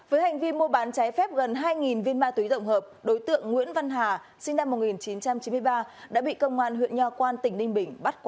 với hành vi mua bán trái phép gần hai viên ma túy tổng hợp đối tượng nguyễn văn hà sinh năm một nghìn chín trăm chín mươi ba đã bị công an huyện nho quan tỉnh ninh bình bắt quả